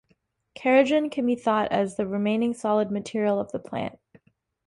Kerogen can be thought of as the remaining solid material of the plant.